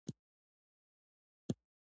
موږ باید په خپل منځ کي اتفاق ولرو.